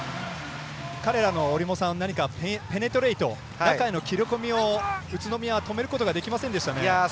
彼らの何かペネトレイト中への切り込みを宇都宮を止めることができませんでしたね。